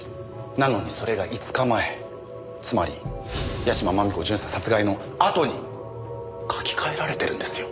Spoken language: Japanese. なのにそれが５日前つまり屋島真美子巡査殺害のあとに書き換えられてるんですよ。